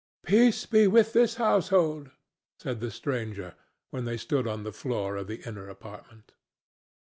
"Peace be with this household!" said the stranger, when they stood on the floor of the inner apartment.